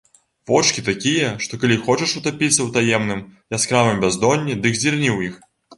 Вочкі такія, што калі хочаш утапіцца ў таемным, яскравым бяздонні, дык зірні ў іх.